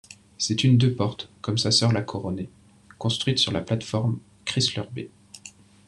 C'est une deux-portes, comme sa sœur la Coronet, construite sur la plate-forme Chrysler-B.